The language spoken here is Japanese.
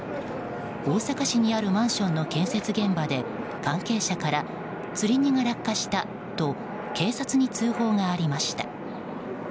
大阪市にあるマンションの建設現場で関係者からつり荷が落下したと警察に通報がありました。